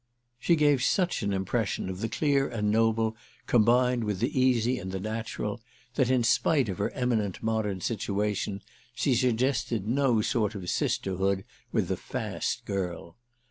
She gave such an impression of the clear and the noble combined with the easy and the natural that in spite of her eminent modern situation she suggested no sort of sister hood with the "fast" girl.